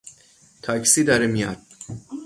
تاکسی داره میاد!